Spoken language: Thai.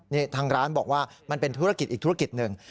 นี่ทางร้านบอกว่ามันเป็นธุรกิจอีกธุรกิจหนึ่ง